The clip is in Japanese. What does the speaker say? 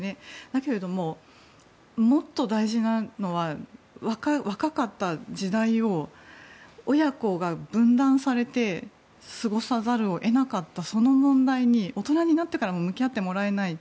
だけれども、もっと大事なのは若かった時代を親子が分断されて過ごさざるを得なかったその問題に大人になってからも向き合ってもらえない。